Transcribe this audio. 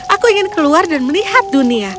aku ingin keluar dan melihat dunia